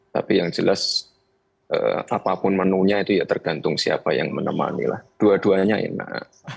tapi yang jelas apapun menunya itu ya tergantung siapa yang menemani lah dua duanya enak